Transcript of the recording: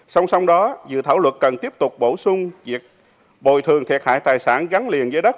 song song đó dự thảo luật cần tiếp tục bổ sung việc bồi thường thiệt hại tài sản gắn liền với đất